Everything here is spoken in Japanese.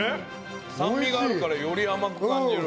酸味があるからより甘く感じる。